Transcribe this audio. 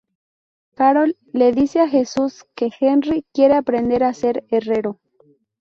Carol le dice a Jesús que Henry quiere aprender a ser herrero.